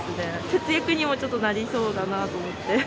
節約にもちょっとなりそうだなと思って。